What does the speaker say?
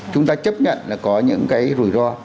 chúng ta chấp nhận là có những cái rủi ro